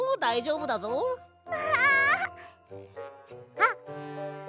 あっ。